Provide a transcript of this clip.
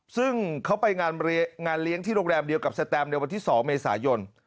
ซึ่งเขาไปงานเลี้ยงที่โรงแรมเดียวกับสแตมในวันที่๒เมษายน